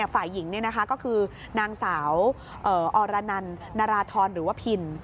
ฝ่ายหญิงก็คือนางสาวอรนันนาราธรหรือว่าพิน